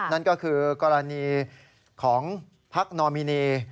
นั่นก็คือกรณีของพักนอมินี